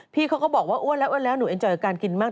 พี่เขาก็บอกว่าอ้วนแล้วอ้วนแล้วหนูเอ็นเจอกับการกินมาก